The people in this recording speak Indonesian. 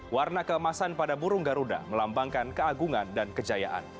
warna keemasan pada burung garuda melambangkan keagungan dan kejayaan